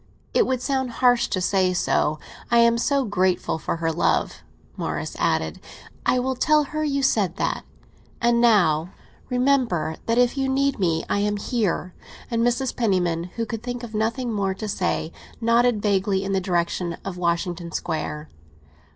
"It would sound harsh to say so! I am so grateful for her love," Morris added. "I will tell her you said that! And now, remember that if you need me, I am there." And Mrs. Penniman, who could think of nothing more to say, nodded vaguely in the direction of Washington Square.